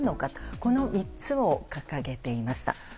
この３つを掲げていました。